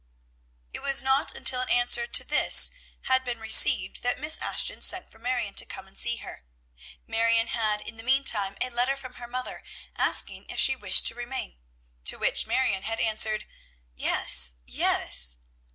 It was not until an answer to this had been received that Miss Ashton sent for Marion to come and see her. Marion had in the mean time a letter from her mother, asking if she wished to remain. To which Marion had answered, "Yes! Yes!"